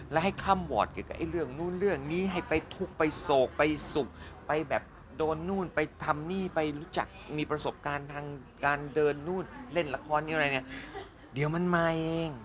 และให้ค่ำวอร์ดเกี่ยวกับไอ้เรื่องนู้นเรื่องนี้ให้ไปทุกข์ไปโศกไปสุขไปแบบโดนนู่นไปทำนี่ไปรู้จักมีประสบการณ์ทางการเดินนู่นเล่นละครนี่อะไรเนี่ยเดี๋ยวมันมาเอง